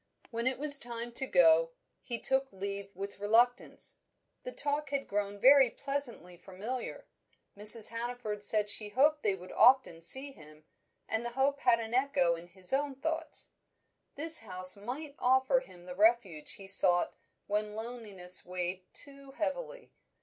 When it was time to go, he took leave with reluctance. The talk had grown very pleasantly familiar. Mrs. Hannaford said she hoped they would often see him, and the hope had an echo in his own thoughts. This house might offer him the refuge he sought when loneliness weighed too heavily.